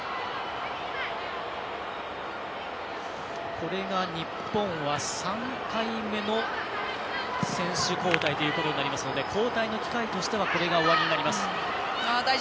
これが日本は３回目の選手交代となりますので交代の機会としてはこれが終わりになります。